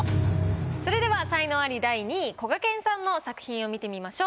それでは才能アリ第２位こがけんさんの作品を見てみましょう。